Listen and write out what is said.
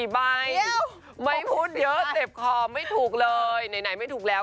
๔ใบไม่พูดเยอะเจ็บคอไม่ถูกเลยไหนไม่ถูกแล้ว